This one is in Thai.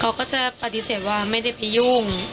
เขาก็จะปฏิเสธว่าไม่ได้ไปยุ่ง